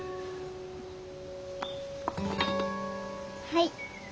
はい。